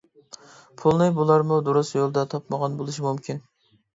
پۇلنى بۇلارمۇ دۇرۇس يولدا تاپمىغان بولۇشى مۇمكىن.